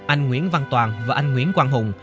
anh nguyễn văn toàn và anh nguyễn quang hùng